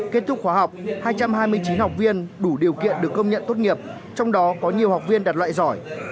kết thúc khóa học hai trăm hai mươi chín học viên đủ điều kiện được công nhận tốt nghiệp trong đó có nhiều học viên đạt loại giỏi